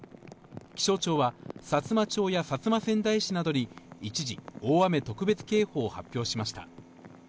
気象庁はさつま町や薩摩川内市などに一時、大雨特別警報を発表しました。